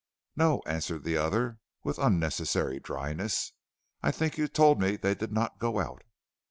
"No," answered the other, with unnecessary dryness; "I think you told me they did not go out."